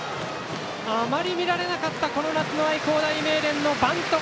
あまり見られなかったこの夏の愛工大名電のバント。